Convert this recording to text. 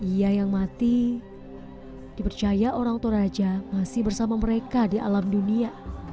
ia yang mati dipercaya orang toraja masih bersama mereka di alam dunia